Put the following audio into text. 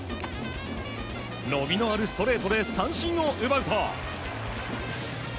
伸びのあるストレートで三振を奪うと。